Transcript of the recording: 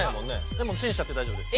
でもチンしちゃって大丈夫です。